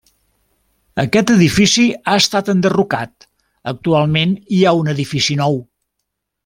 Aquest edifici ha estat enderrocat, actualment hi ha un edifici nou.